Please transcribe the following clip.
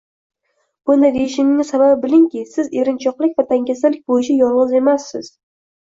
Bunday deyishimning sababi bilingki, siz erinchoqlik va dangasalik bo’yicha yolg’iz emassiz